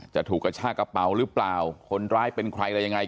จะถูกกระชากระเป๋าหรือเปล่าคนร้ายเป็นใครอะไรยังไง